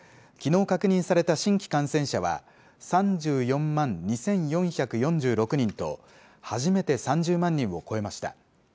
きのう確認された新規感染者は３４万２４４６人と、初めて３０万人を超えました。